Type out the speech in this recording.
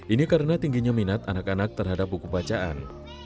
ini karena tingginya minat anak anak terhadap buku bacaan